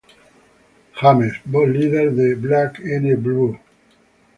James, voz líder de Black N' Blue.